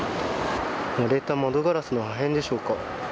割れた窓ガラスの破片でしょうか。